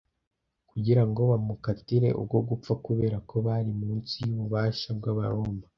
kugira ngo bamukatire urwo gupfa. Kubera ko bari munsi y'ububasha bw'Abaroma,